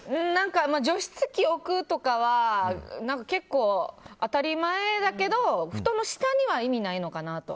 除湿機を置くとかは結構、当たり前だけど布団の下には意味ないのかなと。